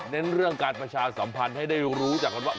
เน้นเรื่องการประชาสัมพันธ์ให้ได้รู้จักกันว่า